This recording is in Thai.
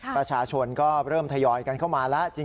ประชาชนก็เริ่มทยอยกันเข้ามาแล้ว